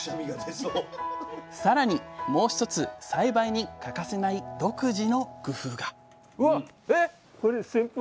さらにもう一つ栽培に欠かせない独自の工夫が！